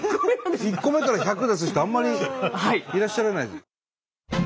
１個目から１００出す人あんまりいらっしゃらない。